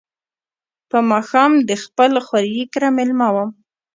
په ماښام د خپل خوریي کره مېلمه وم.